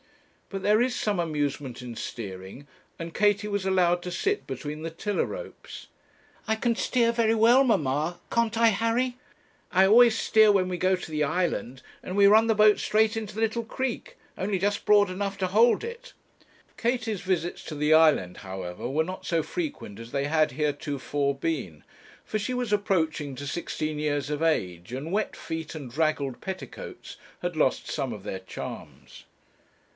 But there is some amusement in steering, and Katie was allowed to sit between the tiller ropes. 'I can steer very well, mamma: can't I, Harry? I always steer when we go to the island, and we run the boat straight into the little creek, only just broad enough to hold it.' Katie's visits to the island, however, were not so frequent as they had heretofore been, for she was approaching to sixteen years of age, and wet feet and draggled petticoats had lost some of their charms.